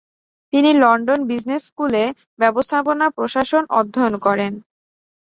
তিনি London business স্কুল-এ ব্যবস্থাপনা প্রশাসন অধ্যয়ন করেন।